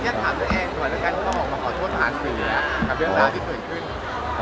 สังเกตถามยุคแอ๊งกรรซวรรค์แล้วกันก็ออกมาขอโทษผ่านสื่อครับ